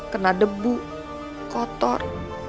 kena debu kotor